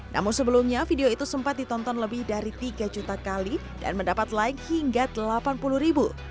namun sebelumnya video itu sempat ditonton lebih dari tiga juta kali dan mendapat like hingga delapan puluh ribu